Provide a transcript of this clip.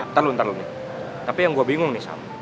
ntar lu ntar lu nih tapi yang gua bingung nih sam